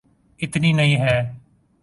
اتنی نہیں ہے۔